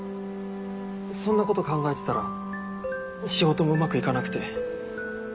そんなこと考えてたら仕事もうまくいかなくて。